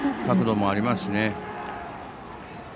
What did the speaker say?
角度もありますし。